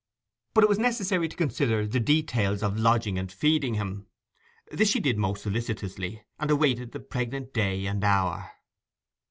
But it was necessary to consider the details of lodging and feeding him. This she did most solicitously, and awaited the pregnant day and hour.